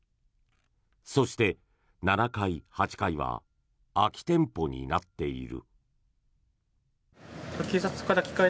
そして７階、８階は空き店舗になっている。